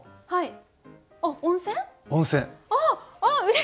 はい。